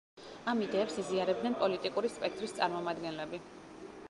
ამ იდეებს იზიარებდნენ პოლიტიკური სპექტრის წარმომადგენლები.